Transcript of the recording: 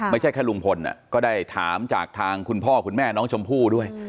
ไม่ใช่แค่ลุงพลก็ได้ถามจากทางคุณพ่อคุณแม่น้องชมพู่ด้วย